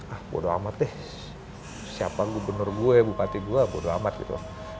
ah bodo amat deh siapa gubernur gue bupati gue bodo amat gitu